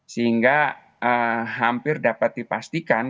sehingga hampir dapat dipastikan